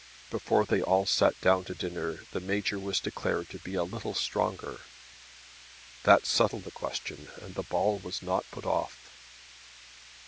Before they all sat down to dinner the Major was declared to be a little stronger. That settled the question and the ball was not put off.